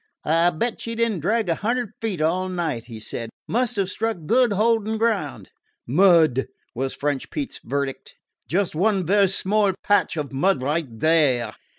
"I 'll bet she did n't drag a hundred feet all night," he said. "Must 've struck good holding ground." "Mud," was French Pete's verdict. "Just one vaire small patch of mud right there.